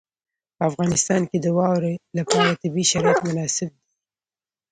په افغانستان کې د واوره لپاره طبیعي شرایط مناسب دي.